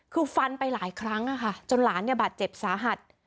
คือฟันไปหลายครั้งจนหลานเนี่ยบาดเจ็บสาหัส